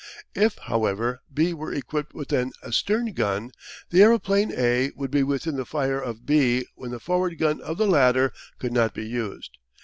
If, however, B were equipped with an astern gun the aeroplane A would be within the fire of B when the forward gun of the latter could not be used.